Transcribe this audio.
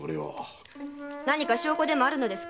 何か証拠があるのですか？